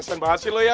kasian mbah asy lo ya